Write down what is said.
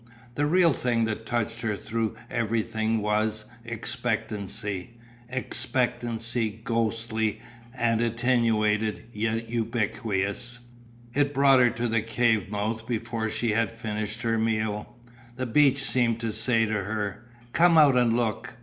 The real thing that touched her through everything was Expectancy. Expectancy, ghostly and attenuated, yet ubiquitous. It brought her to the cave mouth before she had finished her meal. The beach seemed to say to her: "Come out and look!"